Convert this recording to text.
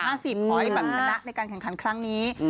หรือแบบจะได้ในการแข่งขันครั้งนี้